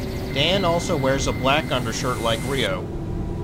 Dan also wears a black undershirt like Ryo.